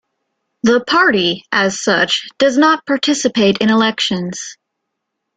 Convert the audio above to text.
The party, as such, does not participate in elections.